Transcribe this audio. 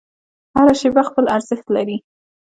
هره شیبه خپل ارزښت لري.